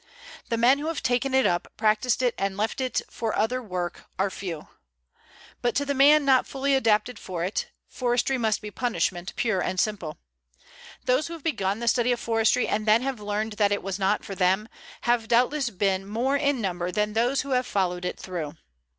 The men who have taken it up, practised it, and left it for other work are few. But to the man not fully adapted for it, forestry must be punishment, pure and simple. Those who have begun the study of forestry, and then have learned that it was not for them, have doubtless been more in number than those who have followed it through.